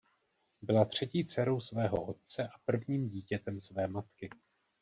Byla třetí dcerou svého otce a prvním dítětem své matky.